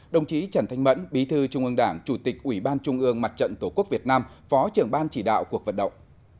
đồng chí trần thanh mẫn bí thư trung ương đảng chủ tịch ủy ban trung ương mặt trận tổ quốc việt nam phó trưởng ban chỉ đạo cuộc vận động